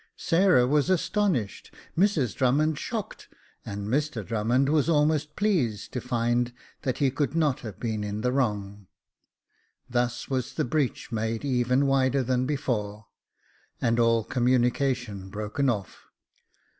Sarah was astonished, Mrs Drummond shocked, and Mr Drummond was almost pleased to find that he could not have been in the wrong. Thus was the breach made even wider than before, and all communication broken off.